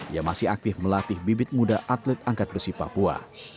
ia masih aktif melatih bibit muda atlet angkat besi papua